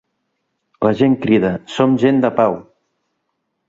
La gent crida ‘som gent de pau’.